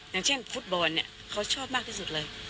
อย่างเช่นฟุตบอลเนี่ยเขาชอบมากที่สุดเลย